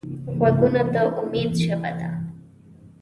غوږونه د امید ژبه ده